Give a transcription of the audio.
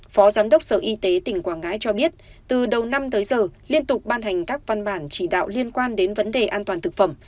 phó giám đốc sở y tế tỉnh quảng ngãi cho biết từ đầu năm tới giờ liên tục ban hành các văn bản chỉ đạo liên quan đến vấn đề an toàn thực phẩm